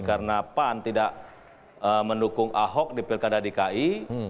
karena pan tidak mendukung ahok di pilkada dki